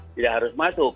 tidak harus masuk